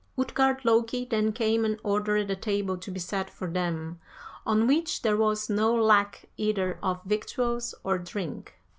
Utgard Loki then came and ordered a table to be set for them, on which there was no lack either of victuals or drink.